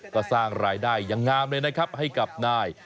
ก็สร้างรายได้อย่างงามเลยนะครับให้กับนาย